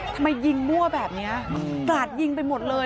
ทำไมยิงมั่วแบบนี้กราดยิงไปหมดเลย